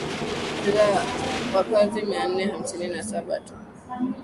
Kina wakazi mia nne hamsini na saba tu